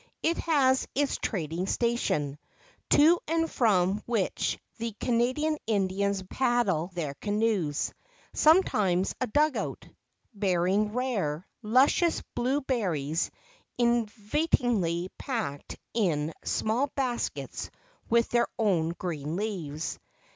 It has its Trading Station, to and from which the Canadian Indians paddle their canoes sometimes a dugout bearing rare, luscious blue berries invitingly packed in small baskets with their own green leaves.